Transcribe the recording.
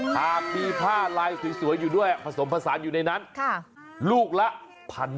หากมีผ้าลายสวยอยู่ด้วยผสมผสานอยู่ในนั้นลูกละ๑๐๐บาท